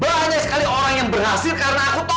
banyak sekali orang yang berhasil karena aku tahu